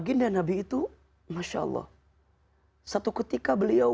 gamai k julian